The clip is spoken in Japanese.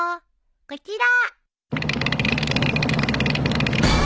こちら！